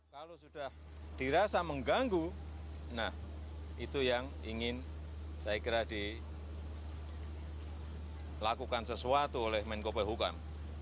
kalau sudah dirasa mengganggu nah itu yang ingin saya kira dilakukan sesuatu oleh menko pehukam